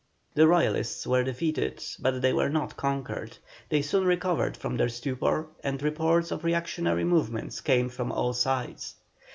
The Royalists were defeated, but they were not conquered; they soon recovered from their stupor, and reports of reactionary movements came from all sides.